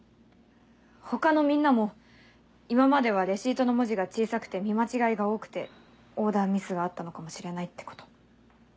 他のみんなも今まではレシートの文字が小さくて見間違えが多くてオーダーミスがあったのかもしれないってこと。